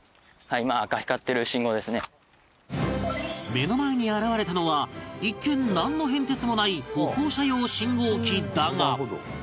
目の前に現れたのは一見なんの変哲もない歩行者用信号機だが